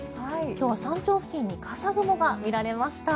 今日は山頂付近に笠雲が見られました。